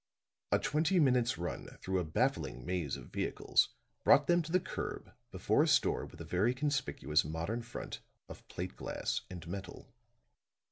A twenty minute's run through a baffling maze of vehicles brought them to the curb before a store with a very conspicuous modern front of plate glass and metal.